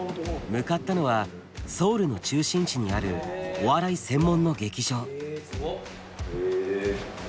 向かったのはソウルの中心地にあるお笑い専門の劇場。